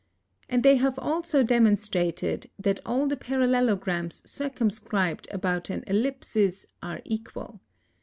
And they have also demonstrated that all the Parallelogramms circumscribed about an Ellipsis are equall.